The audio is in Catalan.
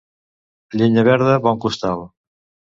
Llenya verda, bon costal.